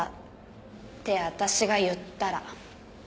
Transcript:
って私が言ったら。